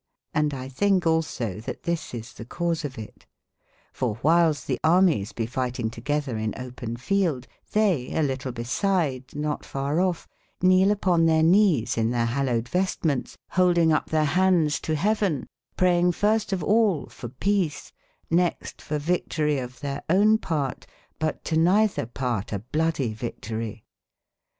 HndXthinke also that this is the cause of it*f or whiles the armies be fighting together in open feld, thev, alitlebeside, notfarreof, knele upon their knees in their hallowed vesti mentes, holding up their handes to hea ven : praing first of all for peace, nexte for victory of their owne parte, but to neyther part a bluddy victory.